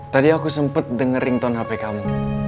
tadi aku sempet denger ringtone hp kamu